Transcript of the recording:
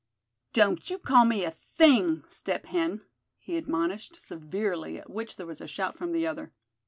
"Don't you call me a thing, Step Hen!" he admonished, severely; at which there was a shout from the other.